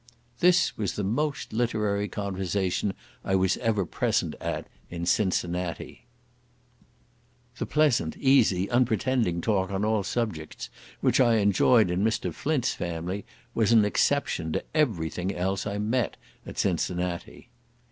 This was the most literary conversation I was ever present at in Cincinnati. The pleasant, easy, unpretending talk on all subjects, which I enjoyed in Mr. Flint's family, was an exception to every thing else I met at Cincinnati.